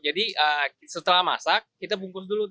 jadi setelah masak kita taruh di atas daun bungkus didiemin tiga lima menit